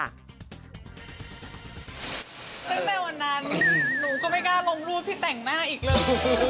ตั้งแต่วันนั้นหนูก็ไม่กล้าลงรูปที่แต่งหน้าอีกเลย